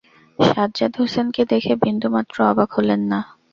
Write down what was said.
সাজ্জাদ হোসেনকে দেখে বিন্দুমাত্র অবাক হলেন না।